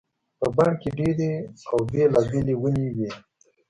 په بڼ کې ډېرې او بېلابېلې ونې وي.